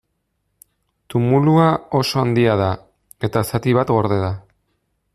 Tumulua oso handia da, eta zati bat gorde da.